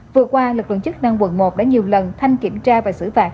vừa qua lực lượng chức năng quận một đã nhiều lần thanh kiểm tra và xử phạt